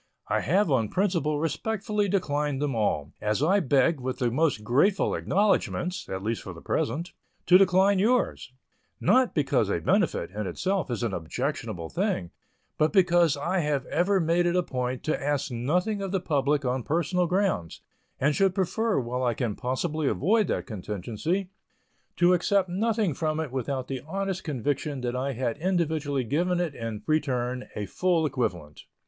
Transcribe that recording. I have, on principle, respectfully declined them all, as I beg, with the most grateful acknowledgments (at least for the present), to decline yours not because a benefit, in itself, is an objectionable thing, but because I have ever made it a point to ask nothing of the public on personal grounds, and should prefer, while I can possibly avoid that contingency, to accept nothing from it without the honest conviction that I had individually given it in return a full equivalent.